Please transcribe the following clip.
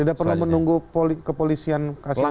tidak perlu menunggu kepolisian kasih